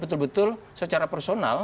betul betul secara personal